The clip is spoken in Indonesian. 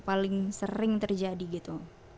paling sering terjadi gitu